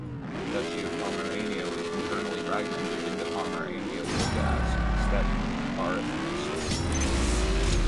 The Duchy of Pomerania was internally fragmented into Pomerania-Wolgast, -Stettin, -Barth, and -Stolp.